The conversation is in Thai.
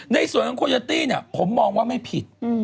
ในส่วนของโคโยตี้เนี่ยผมมองว่าไม่ผิด